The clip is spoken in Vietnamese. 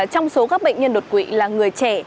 trong số các bệnh nhân đột quỵ là người trẻ